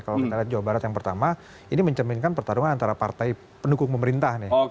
kalau kita lihat jawa barat yang pertama ini mencerminkan pertarungan antara partai pendukung pemerintah nih